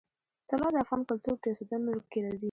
طلا د افغان کلتور په داستانونو کې راځي.